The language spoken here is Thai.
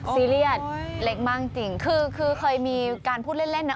ซีเรียสเล็กมากจริงคือคือเคยมีการพูดเล่นเล่นนะ